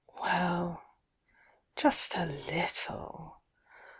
"Well — just a little!